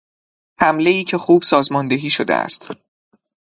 حملهای که خوب سازماندهی شده است.